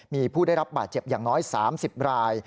มีผู้ได้รับบาดเจ็บอย่างน้อย๓๐ราย